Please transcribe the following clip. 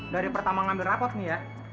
dari pertama ngambil rapot nih ya